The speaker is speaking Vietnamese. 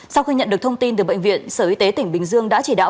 sau khi nhận được thông tin từ bệnh viện sở y tế tỉnh bình dương đã chỉ đạo